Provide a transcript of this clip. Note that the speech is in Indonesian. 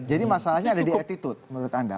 masalahnya ada di attitude menurut anda